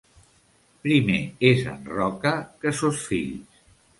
Primer és en Roca que sos fills.